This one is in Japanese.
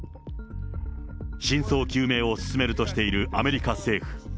真相究明を進めるとしているアメリカ政府。